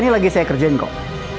ini lagi saya kerjain kok